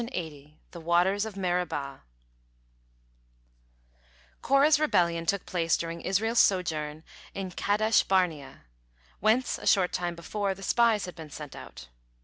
THE WATERS OF MERIBAH Korah's rebellion took place during Israel's sojourn in Kadesh Barnea, whence, a short time before, the spies had been sent out.